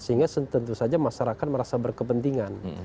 sehingga tentu saja masyarakat merasa berkepentingan